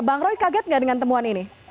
bang roy kaget nggak dengan temuan ini